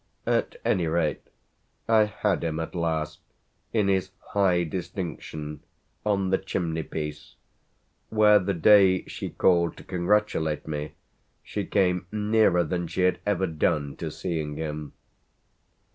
At any rate I had him at last, in his high distinction, on the chimney piece, where the day she called to congratulate me she came nearer than she had ever done to seeing him.